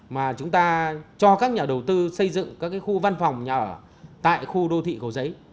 mà chúng ta cho các nhà đầu tư xây dựng các khu văn phòng nhà ở tại khu đô thị cầu giấy